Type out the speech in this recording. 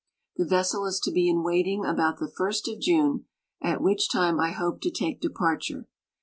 The vessel is to be in waiting about the 1st of June, at which time I hope to take departure.